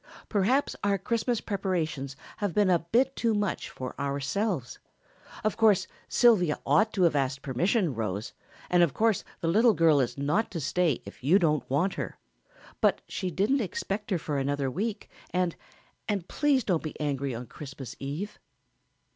"Perhaps our Christmas preparations have been a little bit too much for ourselves. Of course Sylvia ought to have asked permission, Rose, and of course the little girl is not to stay if you don't want her, but she didn't expect her for another week and and please don't be angry on Christmas eve."